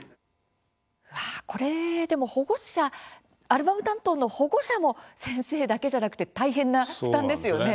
アルバム担当の保護者も先生だけじゃなくて大変な負担ですよね。